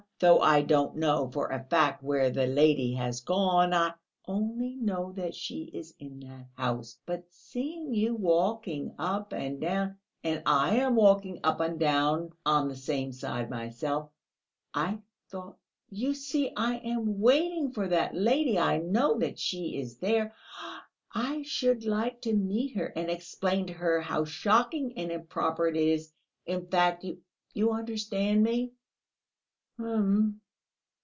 though I don't know for a fact where the lady has gone, I only know that she is in that house; but seeing you walking up and down, and I am walking up and down on the same side myself, I thought ... you see, I am waiting for that lady ... I know that she is there. I should like to meet her and explain to her how shocking and improper it is!... In fact, you understand me...." "H'm!